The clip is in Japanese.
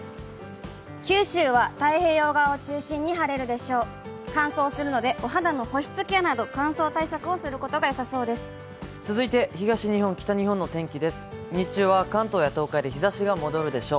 九州は太平洋側を中心に晴れるでしょう。